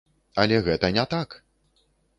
Але гэта не так!